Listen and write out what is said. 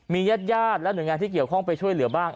ญาติญาติและหน่วยงานที่เกี่ยวข้องไปช่วยเหลือบ้าง